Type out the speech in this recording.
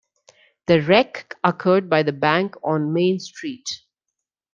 The wreck occurred by the bank on Main Street.